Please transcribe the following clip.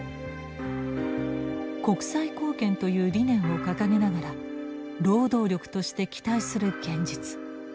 国際貢献という理念を掲げながら労働力として期待する現実。